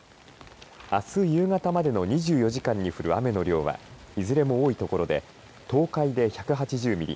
あす夕方までの２４時間に降る雨の量はいずれも多い所で東海で１８０ミリ